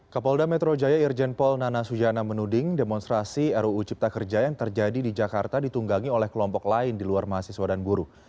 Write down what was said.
kapolda metro jaya irjen paul nana sujana menuding demonstrasi ruu cipta kerja yang terjadi di jakarta ditunggangi oleh kelompok lain di luar mahasiswa dan buruh